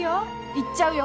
行っちゃうよ。